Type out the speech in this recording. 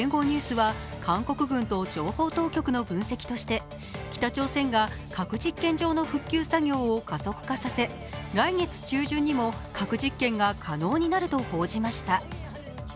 ニュースは韓国軍と情報当局の分析として、北朝鮮が核実験場の復旧作業を加速化させ、来月中旬にも核実験が可能になると報じました。